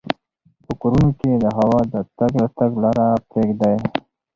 په کورونو کې د هوا د تګ راتګ لاره پریږدئ.